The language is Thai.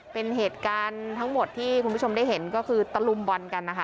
เป็นเหตุการณ์ทั้งหมดที่คุณผู้ชมได้เห็นก็คือตะลุมบอลกันนะคะ